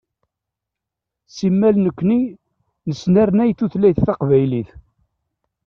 Simmal nekni nesnernay tutlayt taqbaylit.